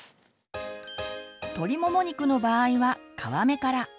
鶏もも肉の場合は皮目から。